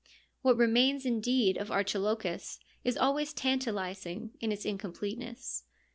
What remains, indeed, of Archilochus is always tantalising in its incompleteness.